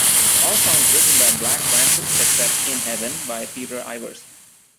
All songs written by Black Francis, except "In Heaven" by Peter Ivers.